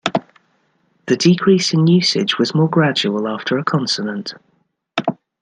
The decrease in usage was more gradual after a consonant.